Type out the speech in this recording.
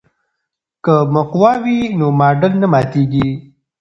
که مقوا وي نو ماډل نه ماتیږي.